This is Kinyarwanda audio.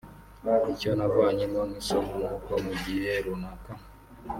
Icyo navanyemo nk’isomo n’uko mu gihe runaka